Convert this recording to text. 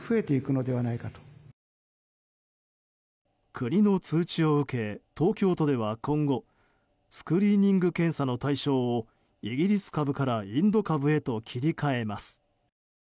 国の通知を受け東京都では今後スクリーニング検査の対象をイギリス株からインド株へと切り替えます。